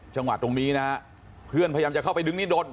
จังหวะตรงนี้นะฮะเพื่อนพยายามจะเข้าไปดึงนี่โดน